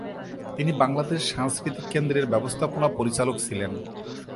তিনি বাংলাদেশ সাংস্কৃতিক কেন্দ্রের ব্যবস্থাপনা পরিচালক ছিলেন।